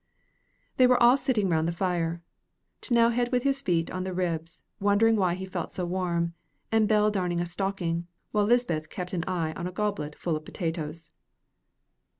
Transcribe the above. They were all sitting round the fire; T'nowhead with his feet on the ribs, wondering why he felt so warm, and Bell darned a stocking, while Lisbeth kept an eye on a goblet full of potatoes.